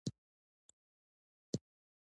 مایان ډېر ماهر معماران وو.